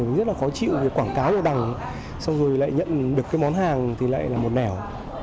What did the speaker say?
nhiều khi mình mua cái hàng này rất là khó chịu vì quảng cáo nó đằng xong rồi lại nhận được cái món hàng thì lại là một nẻo